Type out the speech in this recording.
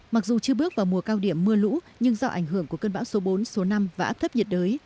mặc dù chưa bước vào mùa cao điểm mưa lũ nhưng do ảnh hưởng của cơn bão số bốn số năm và áp thấp nhiệt đới